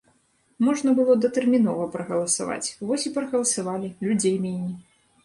Можна было датэрмінова прагаласаваць, вось і прагаласавалі, людзей меней.